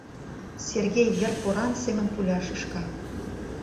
Сергей йыр поран семын пуля шӱшка.